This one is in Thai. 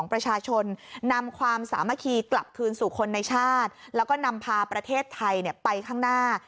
ระบทคืนสู่คนในชาติแล้วก็นำพาประเทศไทยเนี้ยไปข้างหน้า